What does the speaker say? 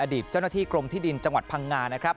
เจ้าหน้าที่กรมที่ดินจังหวัดพังงานะครับ